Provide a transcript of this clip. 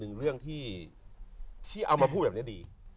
เป็นเรื่องที่เอามาพูดแบบนั้นดี